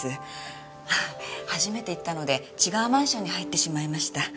初めて行ったので違うマンションに入ってしまいました。